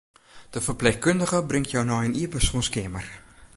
De ferpleechkundige bringt jo nei in ienpersoanskeamer.